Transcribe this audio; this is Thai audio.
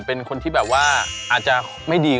เป็นคนที่แบบว่าอาจจะไม่ดี